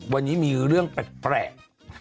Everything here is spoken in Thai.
วันนี้มีเรื่องแปลก